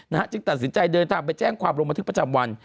จึงตัดสินใจเดินทางไปแจ้งความลงบันทึกประจำวัน